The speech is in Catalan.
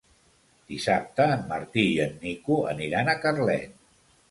Dissabte en Martí i en Nico aniran a Carlet.